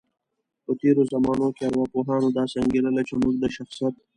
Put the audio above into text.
په تیرو زمانو کې ارواپوهانو داسې انګیرله، چی موږ د شخصیت